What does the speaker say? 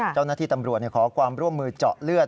เจ้าหน้าที่ตำรวจขอความร่วมมือเจาะเลือด